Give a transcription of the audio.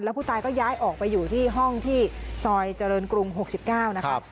ผู้ตายก็ย้ายออกไปอยู่ที่ห้องที่ซอยเจริญกรุง๖๙นะครับ